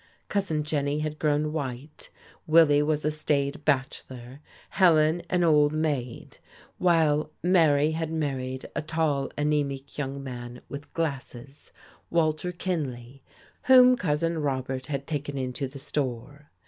Cousin Jenny had grown white, Willie was a staid bachelor, Helen an old maid, while Mary had married a tall, anaemic young man with glasses, Walter Kinley, whom Cousin Robert had taken into the store.